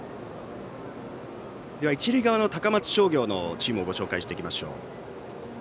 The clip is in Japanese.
一塁側の高松商業のチームをご紹介していきましょう。